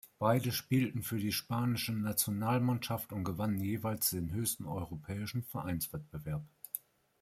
Beide spielten für die spanische Nationalmannschaft und gewannen jeweils den höchsten europäischen Vereinswettbewerb.